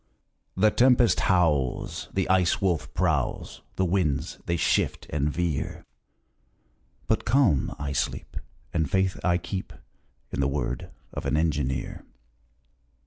The tempest howls, The Ice Wolf prowls, The winds they shift and veer, But calm I sleep, And faith I keep In the word of an engineer.